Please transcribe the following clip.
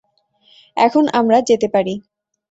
এখন আমরা যেতে পারি।